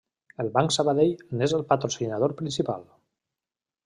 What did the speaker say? El Banc Sabadell n’és el patrocinador principal.